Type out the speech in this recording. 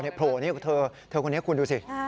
โหนี่คุณดูสิ